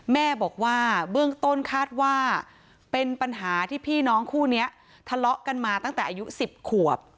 แม่บอกว่าเบื้องต้นคาดว่าเป็นปัญหาที่พี่น้องคู่นี้ทะเลาะกันมาตั้งแต่อายุ๑๐ขวบ